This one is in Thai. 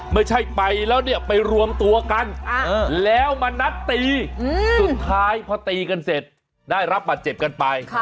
ไม่ใช่ไปแล้วเนี่ยไปรวมตัวกันแล้วมานัดตีสุดท้ายพอตีกันเสร็จได้รับบาดเจ็บกันไป